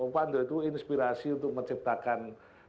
pak do itu inspirasi untuk menciptakan